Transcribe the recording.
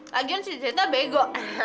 lagian si zeta bego